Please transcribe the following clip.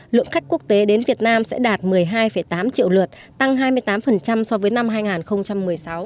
lượng khách quốc tế đến việt nam sẽ đạt một mươi hai tám triệu lượt tăng hai mươi tám so với năm hai nghìn một mươi sáu